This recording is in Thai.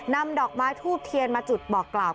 นำดอกไม้ทูบเทียนมาจุดบอกกล่าว